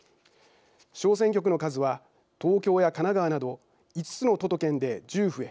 小選挙区の数は東京や神奈川など５つの都と県で１０増え